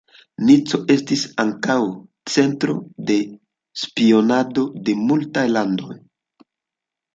Nico estis ankaŭ centro de spionado de multaj landoj.